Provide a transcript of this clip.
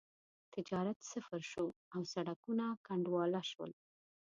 تجارت صفر شو او سړکونه کنډواله شول.